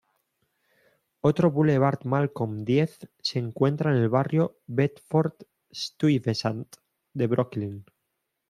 Otro Boulevard Malcolm X se encuentra en el barrio Bedford-Stuyvesant de Brooklyn.